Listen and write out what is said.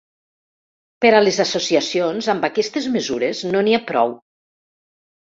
Per a les associacions, amb aquestes mesures no n’hi ha prou.